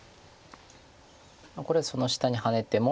これはその下にハネても切って。